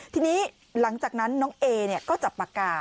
ทีนี้หลังจากนั้นน้องเอก็จับปากกา